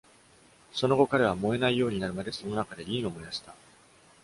その後、彼は、燃えないようになるまで、その中でリンを燃やした。